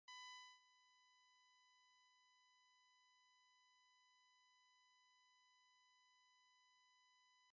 In return his harsh criticism of national ideals also created many bitter enemies.